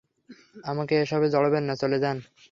আমাকে এসবে জড়াবেন না, চলে যান।